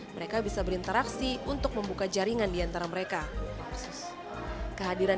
mereka bisa berinteraksi untuk membuka jaringan diantara mereka kehadiran